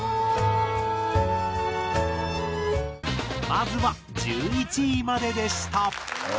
まずは１１位まででした。